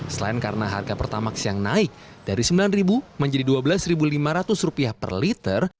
selain karena harga pertamax yang naik dari rp sembilan menjadi rp dua belas lima ratus per liter